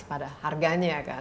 atau kalian jual